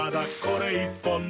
これ１本で」